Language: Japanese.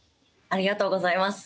ありがとうございます。